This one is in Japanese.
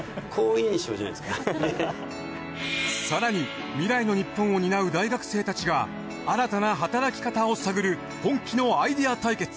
更に未来の日本を担う大学生たちが新たな働き方を探る本気のアイデア対決。